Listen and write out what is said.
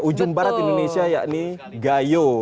ujung barat indonesia yakni gayo